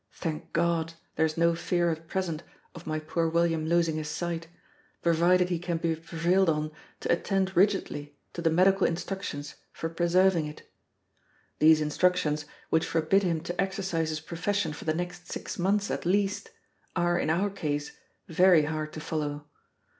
Thank God, there is no fear at present of my poor William losing his sight, provided he can be prevailed on to attend rigidly to the medical instructions for preserving it. These instructions, which forbid him to exercise his profession for the next six months at least, are, in our case, very hard to follow.